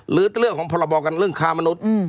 หรือเรื่องของพรบกันเรื่องค้ามนุษย์